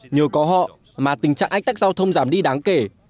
nhờ có họ mà tình trạng ách tắc giao thông giảm đi đáng kể